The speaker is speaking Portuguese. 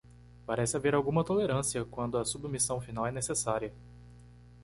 Parece haver alguma tolerância quando a submissão final é necessária.